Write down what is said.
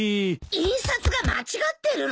印刷が間違ってるの？